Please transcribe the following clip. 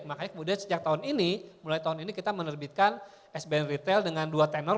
makanya kemudian sejak tahun ini mulai tahun ini kita menerbitkan sbn retail dengan dua tenor